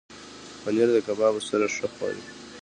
پنېر د کبابو سره ښه خوري.